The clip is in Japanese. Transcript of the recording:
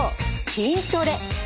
筋トレ。